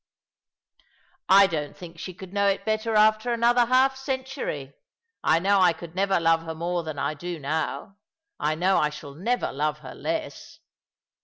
"I don't think she could know it better after another half century. I know I could never love her more than I do now. I know I shall never love her less."